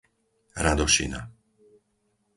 Radošina